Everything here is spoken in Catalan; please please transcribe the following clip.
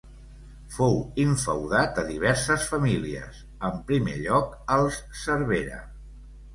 Fou infeudat a diverses famílies; en primer lloc als Cervera.